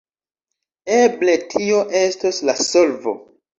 Eble tio estos la solvo.